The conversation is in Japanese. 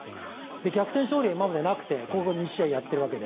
逆転勝利は今までなくて２試合をやっているわけで。